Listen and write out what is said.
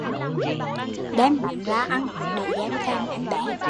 Đem bánh ra ăn để dem thèm em bé